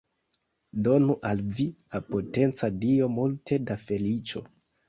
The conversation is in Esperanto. Donu al vi la potenca Dio multe da feliĉo.